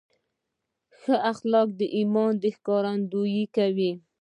ښه اخلاق د ایمان ښکارندویي کوي.